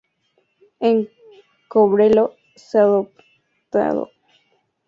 En Cobreloa es apodado "El Rey Juan Carlos".